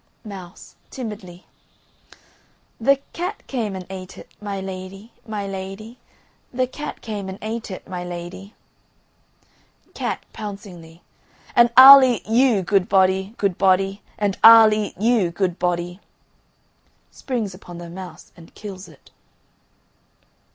MOUSE (timidly). The cat came and ate it, my lady, my lady, The cat came and ate it, my lady. CAT (pouncingly). And I'll eat you, good body, good body, And I'll eat you, good body. (_Springs upon the mouse and kills it.